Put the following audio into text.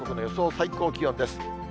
最高気温です。